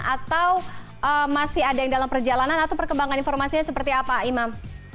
atau masih ada yang dalam perjalanan atau perkembangan informasinya seperti apa imam